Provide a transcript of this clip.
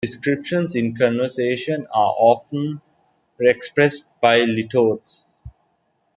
Descriptions in conversation are often expressed by litotes.